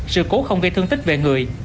sự cố không gây thương tích về người